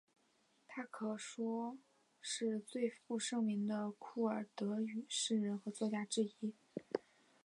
她可说是最负盛名的库尔德语诗人和作家之一。